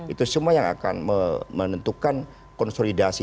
itu semua yang akan menentukan konsolidasi